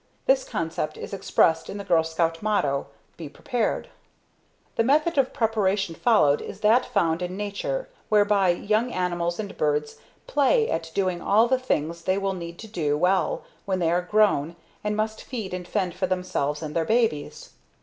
This concept is expressed in the Girl Scouts Motto "Be Prepared." The method of preparation followed is that found in nature whereby young animals and birds play at doing all the things they will need to do well when they are grown and must feed and fend for themselves and their babies.